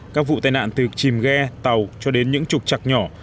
các vụ tai nạn từ chìm ghe tàu cho đến những trục chặt nhỏ